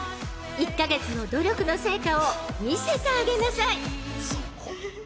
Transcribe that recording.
１カ月の努力の成果を見せてあげなさい］